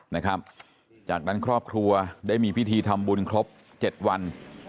นะครับจากนั้นครอบครัวได้มีพิธีทำบุญครบเจ็ดวัน